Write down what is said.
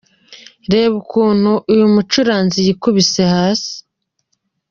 Reba ukuntu uyu mucuranzi yikubise hasi:.